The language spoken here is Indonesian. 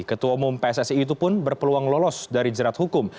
ketua umum pssi itu pun berpeluang lolos dari jerat hukum